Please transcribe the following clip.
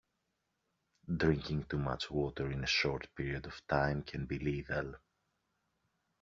Drinking too much water in a short period of time can be lethal.